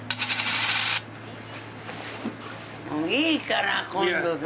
いいから！今度で。